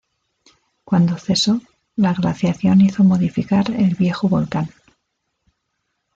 Cuando cesó, la glaciación hizo modificar el viejo volcán.